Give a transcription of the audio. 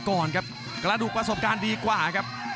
กระดูกประสบการณ์ดีกว่าครับ